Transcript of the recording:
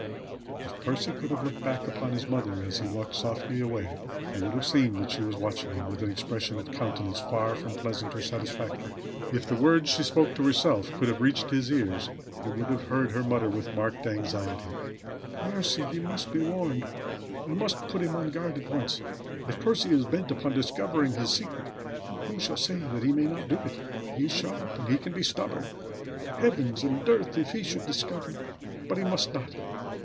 If Percy could have looked back upon his mother, as he walked swiftly away he would have seen that she was watching him with an expression of countenance far from pleasant or satisfactory. If the words she spoke to herself could have reached his ears, he would have heard her mutter with marked anxiety: "Mercy! He must be warned! I must put him on guard at once. If Percy is bent upon discovering his secret, who shall say that he may not do it? He is sharp; and he can be stubborn. Heavens and earth! If he should discover! But he must not!